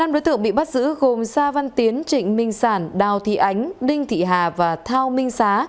năm đối tượng bị bắt giữ gồm sa văn tiến trịnh minh sản đào thị ánh đinh thị hà và thao minh xá